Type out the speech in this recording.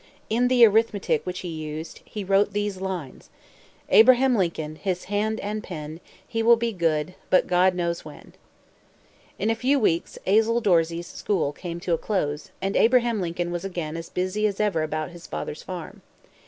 In the arithmetic which he used, he wrote these lines: "Abraham Lincoln, His hand and pen, He will be good, But God knows when." In a few weeks, Azel Dorsey's school came to a close; and Abraham Lincoln was again as busy as ever about his father's farm.